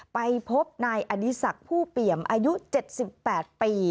ไปพบนายอดีศักดิ์ผู้เปี่ยมอายุ๗๘ปี